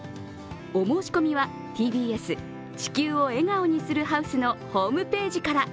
お申し込みは、ＴＢＳ地球を笑顔にするハウスのホームページから。